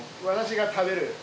私が食べる。